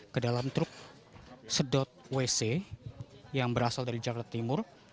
kedalam truk sedot wc yang berasal dari jakarta timur